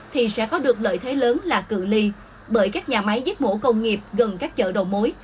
thì sẽ có được lợi thế lớn là cự ly bởi các nhà máy giết mổ công nghiệp gần các chợ đầu mối